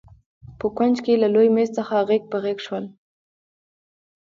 په کونج کې له لوی مېز څخه غېږ په غېږ شول.